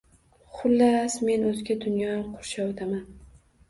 Xullas, men o’zga dunyo qurshovidaman.